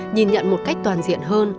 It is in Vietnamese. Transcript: nhìn nhận một cách toàn diện hơn